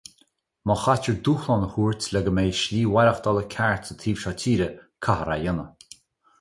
Má chaitear dúshlán a thabhairt le go mbeidh slí mhaireachtála ceart sa taobh seo tíre, caithfear é a dhéanamh.